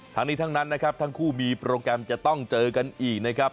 ทั้งนี้ทั้งนั้นนะครับทั้งคู่มีโปรแกรมจะต้องเจอกันอีกนะครับ